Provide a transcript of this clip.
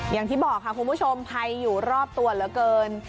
อย่างที่บอกค่ะคุณผู้ชมภัยอยู่รอบตัวเหลือเกิน